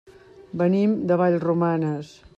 Venim de Vallromanes.